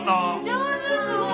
上手すごい！